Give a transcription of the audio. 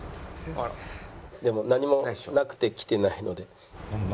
「でも何もなくて来てないので」。